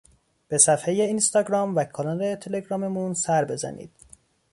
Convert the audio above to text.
به صفحۀ اینستاگرام و کانال تلگراممون سر بزنید